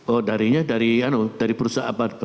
oh darinya dari perusahaan apa